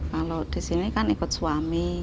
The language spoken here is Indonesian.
kalau di sini kan ikut suami